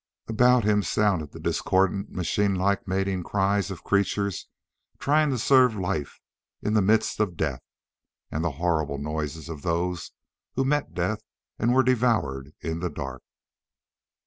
About him sounded the discordant, machine like mating cries of creatures trying to serve life in the midst of death and the horrible noises of those who met death and were devoured in the dark.